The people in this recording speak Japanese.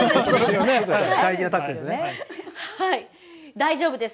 大丈夫です！